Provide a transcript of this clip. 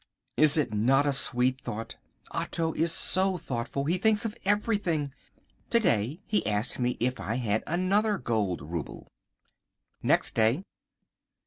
Is it not a sweet thought? Otto is so thoughtful. He thinks of everything. To day he asked me if I had another gold rouble. Next Day.